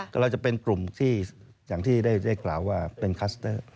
ก็เราจะเป็นกลุ่มที่อย่างที่ได้กล่าวว่าเป็นคัสเตอร์